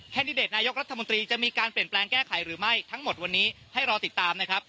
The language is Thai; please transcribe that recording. ดิเดตนายกรัฐมนตรีจะมีการเปลี่ยนแปลงแก้ไขหรือไม่ทั้งหมดวันนี้ให้รอติดตามนะครับ